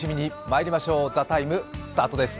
まいりましょう、「ＴＨＥＴＩＭＥ，」スタートです。